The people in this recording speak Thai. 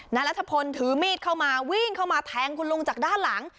นายรัฐพลถือมีดเข้ามาวิ่งเข้ามาแทงคุณลุงจากด้านหลัง